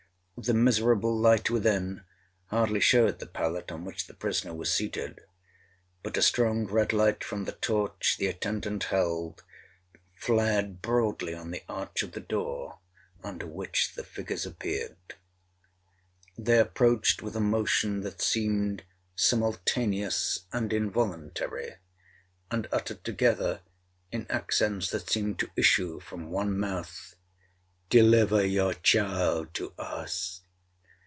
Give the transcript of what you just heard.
The miserable light within hardly shewed the pallet on which the prisoner was seated; but a strong red light from the torch the attendant held, flared broadly on the arch of the door under which the figures appeared. They approached with a motion that seemed simultaneous and involuntary—and uttered together, in accents that seemed to issue from one mouth, 'Deliver your child to us.'